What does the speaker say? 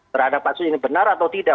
berhadapan sendiri ini benar atau tidak